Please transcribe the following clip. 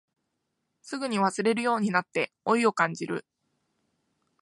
すぐに忘れるようになって老いを感じる